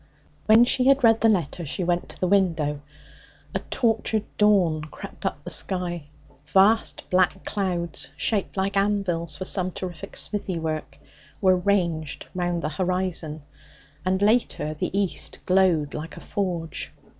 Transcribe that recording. When she had read the letter, she went to the window. A tortured dawn crept up the sky. Vast black clouds, shaped like anvils for some terrific smithy work, were ranged round the horizon, and, later, the east glowed like a forge.